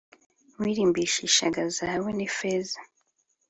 Wirimbishishaga zahabu nifeza